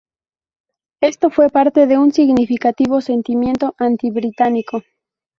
Esto fue parte de un significativo sentimiento anti-británico.